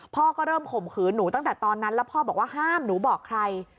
พ่อก็เริ่มข่มขืนหนูตั้งแต่ตอนนั้นแล้วพ่อบอกว่าห้ามหนูบอกใคร